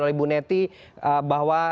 oleh bu neti bahwa